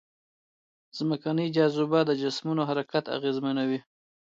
ځمکنۍ جاذبه د جسمونو حرکت اغېزمنوي.